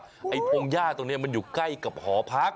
ตรงที่ว่าไอ้โวงหญ้าตรงนี้มันอยู่ใกล้กับหอพัก